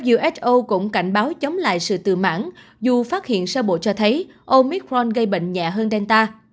uso cũng cảnh báo chống lại sự từ mãn dù phát hiện sơ bộ cho thấy omicron gây bệnh nhẹ hơn delta